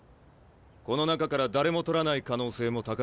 この中から誰も獲らない可能性も高い。